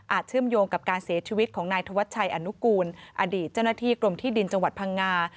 เชื่อมโยงกับการเสียชีวิตของนายธวัชชัยอนุกูลอดีตเจ้าหน้าที่กรมที่ดินจังหวัดพังงา